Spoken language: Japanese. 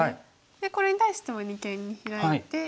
でこれに対しても二間にヒラいて。